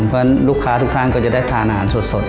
เพราะฉะนั้นลูกค้าทุกท่านก็จะได้ทานอาหารสด